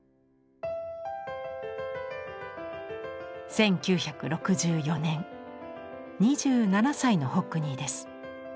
１９６４年２７歳のホックニーです。